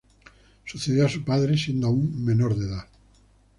Sucedió a su padre siendo, aún, menor de edad.